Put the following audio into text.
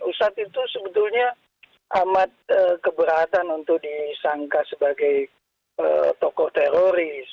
ustadz itu sebetulnya amat keberatan untuk disangka sebagai tokoh teroris